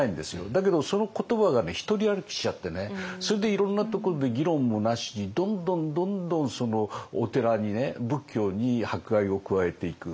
だけどその言葉が独り歩きしちゃってそれでいろんなところで議論もなしにどんどんどんどんお寺に仏教に迫害を加えていく。